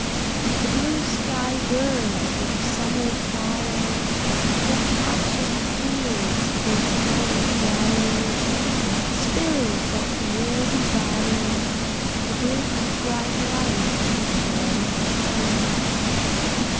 The blue sky burned, with summer fired; For parching fields, for pining flowers, The spirits of the air desired The brook's bright life to shed in showers.